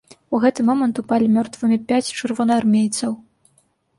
У гэты момант упалі мёртвымі пяць чырвонаармейцаў.